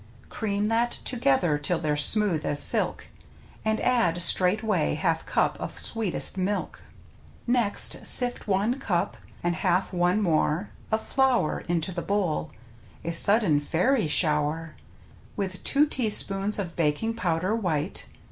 Cream these together till they're smooth as silk, And add straightway half cup of sweet est milk. Next sift one cup — and half one more — of flour Into the bowl — a sudden fairy shower! — With two teaspoons of baking powder white.